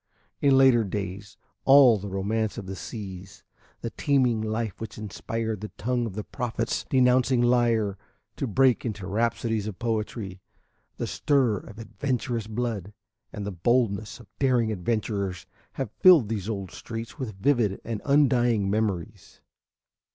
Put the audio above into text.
In later days all the romance of the seas, the teeming life which inspired the tongue of the prophet's denouncing lyre to break into rhapsodies of poetry, the stir of adventurous blood, and the boldness of daring adventurers have filled these old streets with vivid and undying memories.